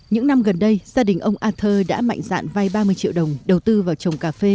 những năm gần đây gia đình ông arthur đã mạnh dạn vai ba mươi triệu đồng đầu tư vào trồng cà phê